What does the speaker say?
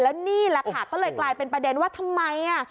แล้วนี่แหละค่ะก็เลยกลายเป็นประเด็นว่าทำไม